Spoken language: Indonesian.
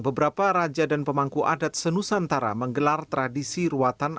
beberapa raja dan pemangku adat senusantara menggelar tradisi ruatan